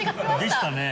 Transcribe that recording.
でしたね。